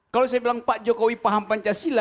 kalau saya bilang pak jokowi paham pancasila